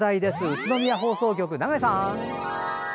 宇都宮放送局、長井さん。